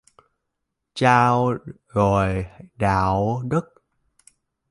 Trao dồi đạo đức